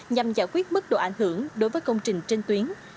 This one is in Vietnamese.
nhằm giải quyết mức độ ảnh hưởng đối với công trình trên tuyến